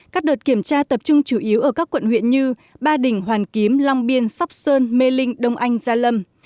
các đợt kiểm tra tập trung chủ yếu ở các quận huyện như ba đình hoàn kiếm long biên sóc sơn mê linh đông anh gia lâm